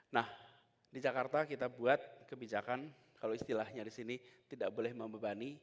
nah di jakarta kita buat kebijakan kalau istilahnya di sini tidak boleh membebani